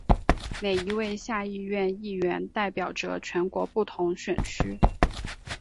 每一位下议院议员代表着全国不同选区。